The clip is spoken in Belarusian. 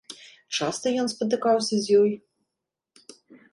Часта ён спатыкаўся з ёй?